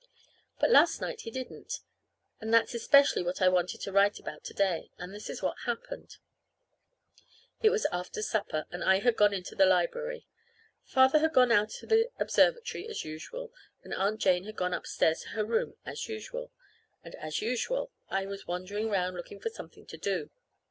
But last night he didn't. And that's especially what I wanted to write about to day. And this is the way it happened. It was after supper, and I had gone into the library. Father had gone out to the observatory as usual, and Aunt Jane had gone upstairs to her room as usual, and as usual I was wandering 'round looking for something to do.